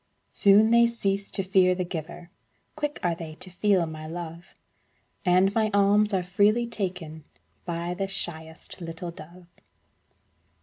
Soon they cease to fear the giver, Quick are they to feel my love, And my alms are freely taken By the shyest little dove.